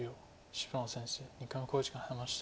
芝野先生２回目の考慮時間に入りました。